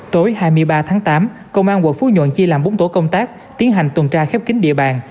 tối hai mươi ba tháng tám công an quận phú nhuận chia làm bốn tổ công tác tiến hành tuần tra khép kính địa bàn